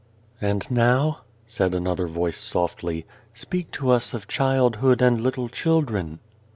"And now," said another voice softly, " speak to us of childhood and little children."